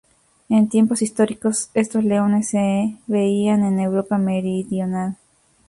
En tiempos históricos, estos leones se veían en Europa meridional.